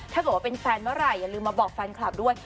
ถ้าเกิดว่าเป็นแฟนเมื่อไหร่อย่าลืมมาบอกแฟนคลับด้วย